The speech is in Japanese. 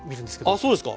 あっそうですか。